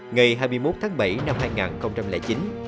ngày hai mươi một tháng bảy năm hai nghìn chín